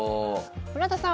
村田さん